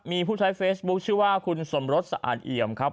มีผู้ใช้เฟซบุ๊คชื่อว่าคุณสมรสสะอาดเอี่ยมครับ